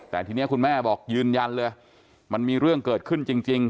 แต่ทีนี้คุณแม่บอกยืนยันเลยมันมีเรื่องเกิดขึ้นจริง